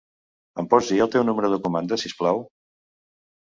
Em pots dir el teu número de comanda, si us plau?